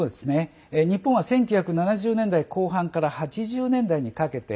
日本は１９７０年代後半から８０年代にかけて